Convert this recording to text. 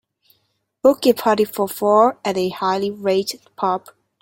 book a party of four at a highly rated pub